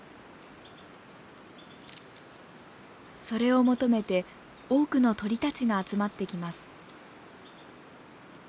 それを求めて多くの鳥たちが集まってきます。